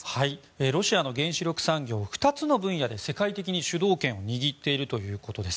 ロシアの原子力産業２つの分野で世界的に主導権を握っているということです。